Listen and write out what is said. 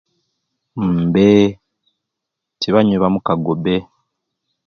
Mbe, tibanywi bamukago bbe.